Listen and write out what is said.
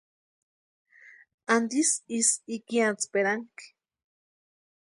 ¿Antisï ísï ikiatsperanhakʼi?